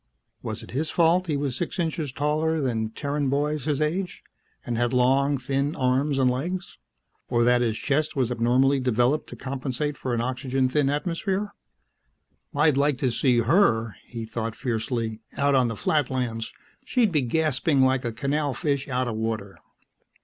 Was it his fault he was six inches taller than Terran boys his age, and had long, thin arms and legs? Or that his chest was abnormally developed to compensate for an oxygen thin atmosphere? I'd like to see her, he thought fiercely, out on the Flatlands; she'd be gasping like a canal fish out of water.